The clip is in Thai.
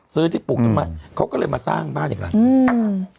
ซื้อที่ปลูกมาเขาก็เลยมาสร้างบ้านอย่างนั้นอืม